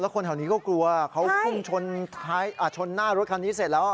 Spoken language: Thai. คนแถวนี้ก็กลัวเขาพุ่งชนหน้ารถคันนี้เสร็จแล้ว